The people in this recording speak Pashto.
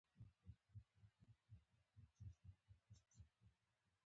زه نه پوهیږم چې ته خبر یې که نه